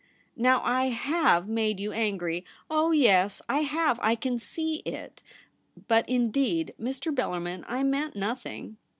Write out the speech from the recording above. * Now I Aave made you angry — oh yes, I have; I can see it; but, indeed, Mr. Bellar min, I meant nothing.'